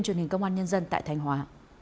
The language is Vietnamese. truyền hình công an nhân dân tại thanh hóa